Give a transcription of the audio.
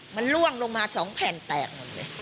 มันล่วงลงมา๒แผ่นแตกหมดเลย